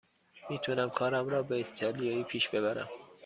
می تونم کارم را به ایتالیایی پیش ببرم.